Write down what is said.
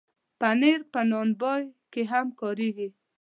پنېر په نان بای کې هم کارېږي.